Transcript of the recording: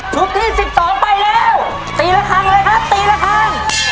ชุดที่สิบสองไปแล้วตีละครั้งเลยครับตีละครั้ง